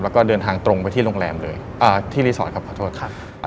แล้วก็เดินทางตรงไปที่โรงแรมเลยอ่าที่รีสอร์ทครับขอโทษครับ